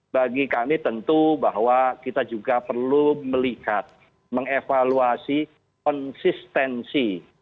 bagi kami tentu bahwa kita juga perlu melihat mengevaluasi konsistensi